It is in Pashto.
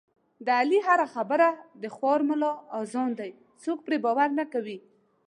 د علي هره خبره د خوار ملا اذان دی، هېڅوک پرې باور نه کوي.